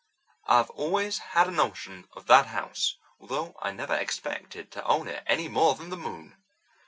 I've always had a notion of that house, although I never expected to own it any more than the moon."